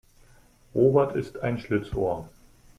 Robert ist ein Schlitzohr.